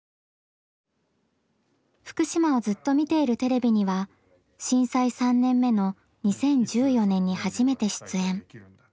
「福島をずっと見ているＴＶ」には震災３年目の２０１４年に初めて出演。